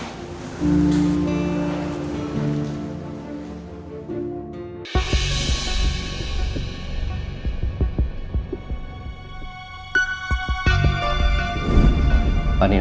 terima kasih danien